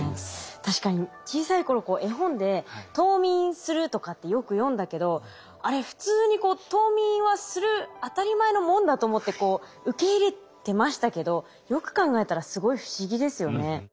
確かに小さい頃絵本で冬眠するとかってよく読んだけどあれ普通に冬眠はする当たり前のもんだと思ってこう受け入れてましたけどよく考えたらすごい不思議ですよね。